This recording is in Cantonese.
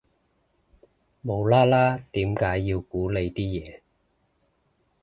無啦啦點解要估你啲嘢